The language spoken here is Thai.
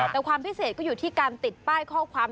แต่ความพิเศษก็อยู่ที่การติดป้ายข้อความ